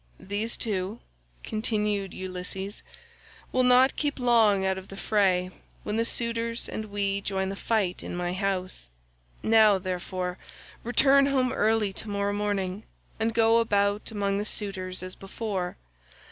"These two," continued Ulysses, "will not keep long out of the fray, when the suitors and we join fight in my house. Now, therefore, return home early to morrow morning, and go about among the suitors as before.